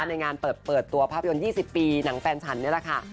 ในงานเปิดตัวภาพยนตร์๒๐ปีหนังแฟนฉันนี่แหละค่ะ